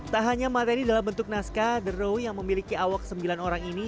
tak hanya materi dalam bentuk naskah the row yang memiliki awak sembilan orang ini